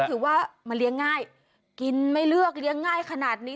ถือว่ามันเลี้ยงง่ายกินไม่เลือกเลี้ยงง่ายขนาดนี้